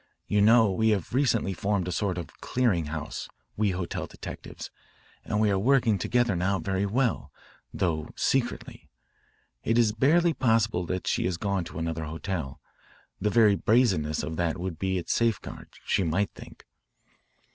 "You know we have recently formed a sort of clearing house, we hotel detectives, and we are working together now very well, though secretly. It is barely possible that she has gone to another hotel. The very brazenness of that would be its safeguard, she might think."